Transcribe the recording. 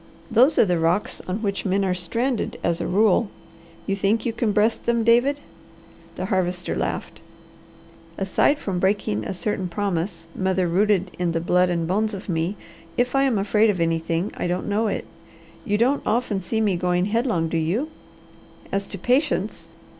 "Those are the rocks on which men are stranded as a rule. You think you can breast them, David?" The Harvester laughed. "Aside from breaking a certain promise mother rooted in the blood and bones of me, if I am afraid of anything, I don't know it. You don't often see me going head long, do you? As to patience!